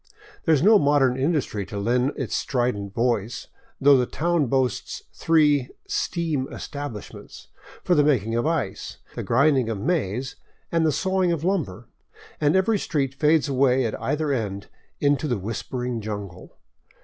There is no modern industry to lend its strident voice, though the town boasts three " steam es tablishments *' for the making of ice, the grinding of maize, and the sawing of lumber, and every street fades away at either end into the whispering jungle.